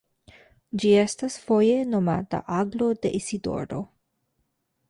Ĝi estas foje nomata Aglo de Isidoro.